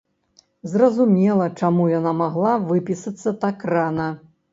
Зразумела, чаму яна магла выпісацца так рана.